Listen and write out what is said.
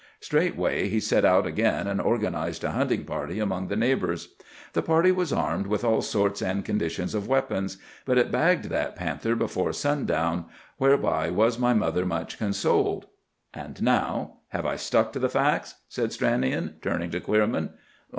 Straightway he set out again, and organized a hunting party among the neighbors. The party was armed with all sorts and conditions of weapons; but it bagged that panther before sundown, whereby was my mother much consoled. And now, have I stuck to the facts?" said Stranion, turning to Queerman.